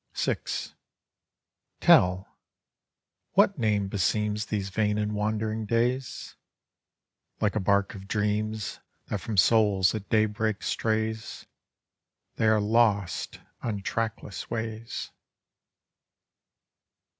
XL Tell, what nane beseeias These vain and wandering days! Likc a bark of dreams That from souls at daybreak strays They are lost on trackless ways.